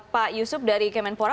pak yusuf dari kemenpora